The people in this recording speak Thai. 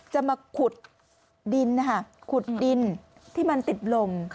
จะมาขุดดินนะคะขุดดินที่มันติดลม